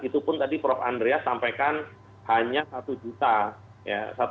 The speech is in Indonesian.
itu pun tadi prof andrias sampaikan hanya satu juta